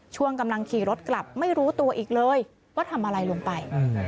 ช่วงกำลังขี่รถกลับไม่รู้ตัวอีกเลยว่าทำอะไรลงไป